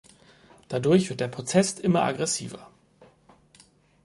Dadurch wird der Protest immer aggressiver.